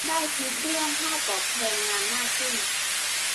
ได้คิดเรื่องค่าตอบแทนงานมากขึ้น